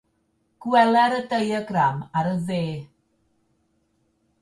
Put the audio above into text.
Gweler y diagram ar y dde.